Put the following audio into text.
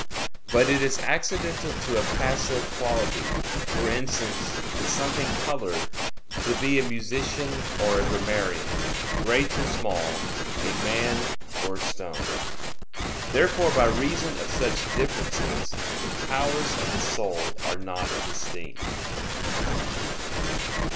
But it is accidental to a passive quality, for instance, to something colored, to be a musician or a grammarian, great or small, a man or a stone. Therefore by reason of such differences the powers of the soul are not distinct.